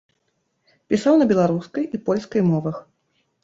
Пісаў на беларускай і польскай мовах.